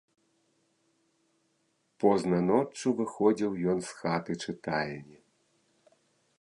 Позна ноччу выходзіў ён з хаты-чытальні.